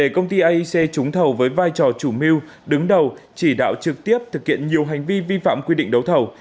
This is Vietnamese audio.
bảy công ty aic trúng thầu với vai trò chủ mưu đứng đầu chỉ đạo trực tiếp thực hiện nhiều hành vi vi phạm quy định đấu thầu